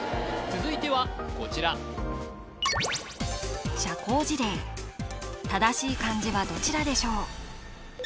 続いてはこちら社交辞れい正しい漢字はどちらでしょう？